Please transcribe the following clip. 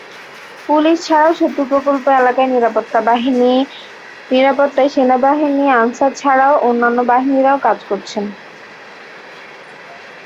Police ছাড়াও সেতু প্রকল্প এলাকার নিরাপত্তায় সেনাবাহিনী, আনসারসহ অন্যান্য বাহিনীও কাজ করছে।